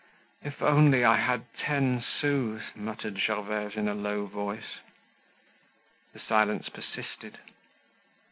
"If I only had ten sous," muttered Gervaise, in a low voice. The silence persisted.